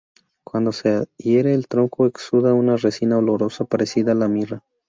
Cuando se hiere al tronco exuda una resina olorosa parecida a la mirra.